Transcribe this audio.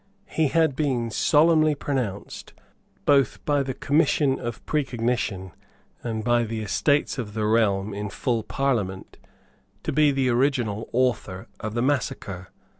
He had been solemnly pronounced, both by the Commission of Precognition and by the Estates of the Realm in full Parliament, to be the original author of the massacre.